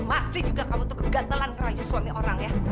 masih juga kamu tuh kegatelan kerangnya suami orang ya